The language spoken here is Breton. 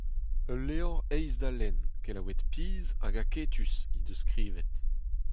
Ul levr aes da lenn, kelaouet pizh hag aketus he deus skrivet.